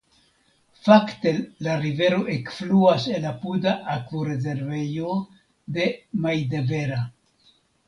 Fakte la rivero ekfluas el apuda akvorezervejo de Maidevera.